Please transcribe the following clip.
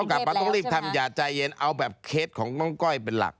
กลับมาต้องรีบทำอย่าใจเย็นเอาแบบเคสของน้องก้อยเป็นหลัก